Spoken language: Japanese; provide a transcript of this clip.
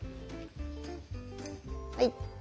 はい。